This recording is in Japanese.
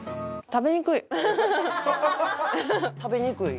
食べにくい。